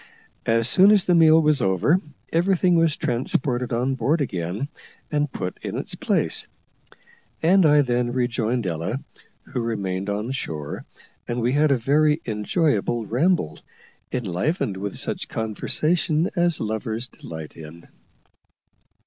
As soon as the meal was over, everything was transported on board again, and put in its place; and I then rejoined Ella, who remained on shore, and we had a very enjoyable ramble, enlivened with such conversation as lovers delight in.